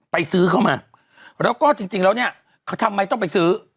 ไปซื้อเข้ามาแล้วก็จริงแล้วเนี่ยทำไมต้องไปซื้อ